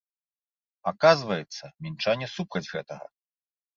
Аказваецца, мінчане супраць гэтага.